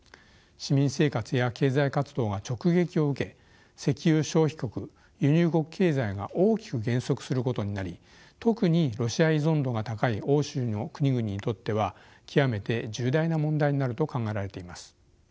市民生活や経済活動が直撃を受け石油消費国輸入国経済が大きく減速することになり特にロシア依存度が高い欧州の国々にとっては極めて重大な問題になると考えられています。